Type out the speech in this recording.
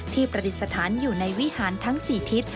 ประดิษฐานอยู่ในวิหารทั้ง๔ทิศ